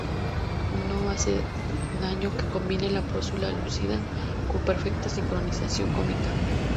No hace daño que combine la prosa lúcida con perfecta sincronización cómica..."